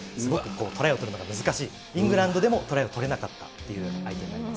トライを取るのが難しい、イングランドでもトライを取れなかったっていう相手になります。